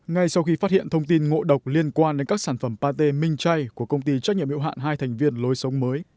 ngay sau khi phát hiện thông tin ngộ độc liên quan đến các sản phẩm pate minh chay của công ty trách nhiệm hiệu hạn hai thành viên lối sống mới